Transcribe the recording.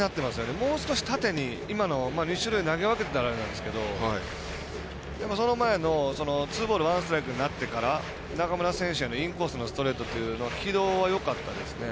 もう少し縦に、今のは種類、投げ分けてたんですけどその前のツーボールワンストライクになってから中村選手へのインコースのストレートというのは軌道はよかったですね。